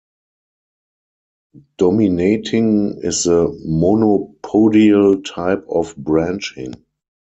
Dominating is the monopodial type of branching.